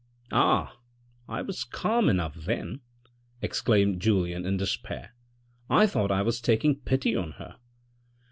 " Ah ! I was calm enough then," exclaimed Julien in despair, " I thought I was taking pity on her.